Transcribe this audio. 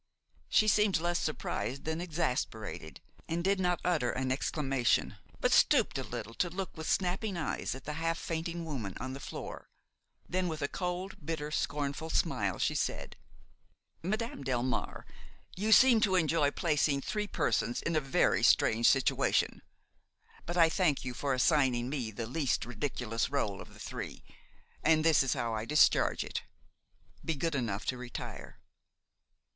She seemed less surprised than exasperated, and did not utter an exclamation, but stooped a little to look with snapping eyes at the half fainting woman on the floor; then, with a cold, bitter, scornful smile, she said: "Madame Delmare, you seem to enjoy placing three persons in a very strange situation; but I thank you for assigning me the least ridiculous rôle of the three, and this is how I discharge it. Be good enough to retire."